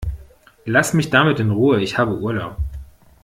Lass mich damit in Ruhe, ich habe Urlaub!